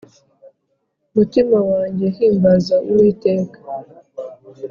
Mutima wanjye himbaza uwiteka